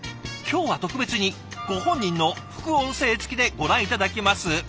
今日は特別にご本人の副音声付きでご覧頂きます。